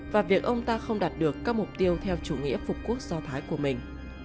và việc ông ta không đạt được các mục tiêu theo chủ nghĩa phục quốc do thái của mình